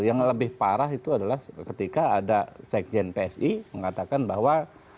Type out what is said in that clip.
yang lebih parah itu adalah ketika ada sekjen psi mengatakan bahwa